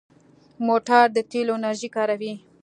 موټر د تېلو انرژي کاروي.